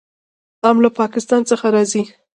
ام له پاکستان څخه راځي.